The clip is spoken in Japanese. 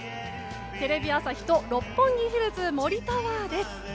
テレビ朝日と六本木ヒルズ森タワーです。